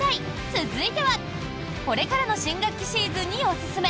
続いては、これからの新学期シーズンにおすすめ！